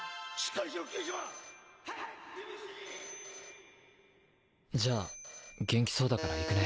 犬磴元気そうだから行くね。